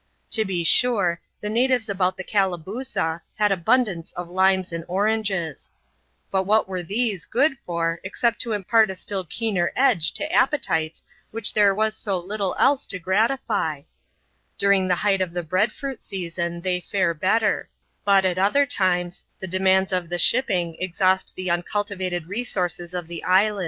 To be sure, the natives about the Calabooza, had abundance of limes and oranges ; but what were these good for, except to impart a still keener edge to appetites which ther6 was so little else to gratify ? During the height of the bread fruit season, they fare better ; but, at otliet tm<^ \Ja!^ ^^^^coas^^ of the shipping exhaust the uncultivated xeaovxtiie&Qi ^<^\S«sw^N K 3 134 ADVENTURES IN THE SOUTH SEAS.